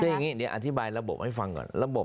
คืออย่างนี้เดี๋ยวอธิบายระบบให้ฟังก่อนระบบ